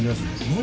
何？